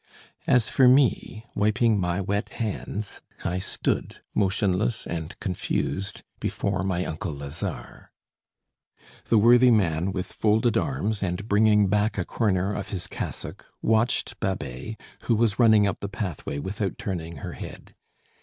As for me, wiping my wet hands, I stood motionless and confused before my uncle Lazare. The worthy man, with folded arms, and bringing back a corner of his cassock, watched Babet, who was running up the pathway without turning her head.